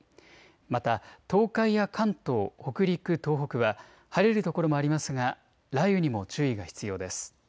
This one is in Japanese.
また東海や関東、北陸、東北は晴れる所もありますが雷雨にも注意が必要です。